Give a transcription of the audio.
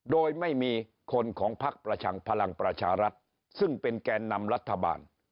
โดยไม่มีคนของพักประชังพลังประชารัฐซึ่งเป็นแก่นำรัฐบาล